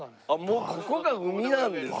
もうここが海なんですね。